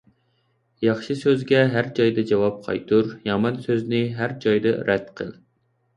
ياخشى سۆزگە ھەر جايدا جاۋاب قايتۇر، يامان سۆزنى ھەر جايدا رەت قىل.